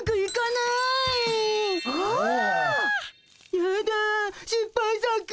やだしっぱい作。